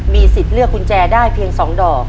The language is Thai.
มีสิทธิ์เลือกกุญแจได้เพียง๒ดอก